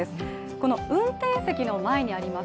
この運転席の前にあります